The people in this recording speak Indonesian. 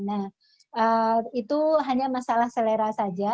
nah itu hanya masalah selera saja